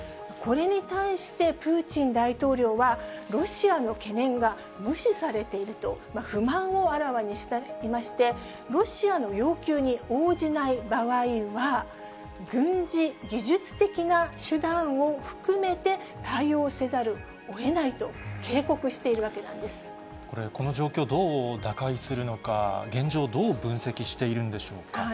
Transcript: これに対して、プーチン大統領は、ロシアの懸念が無視されていると不満をあらわにしていまして、ロシアの要求に応じない場合は、軍事技術的な手段を含めて対応せざるをえないと警告しているわけこれ、この状況、どう打開するのか、現状、どう分析しているんでしょうか。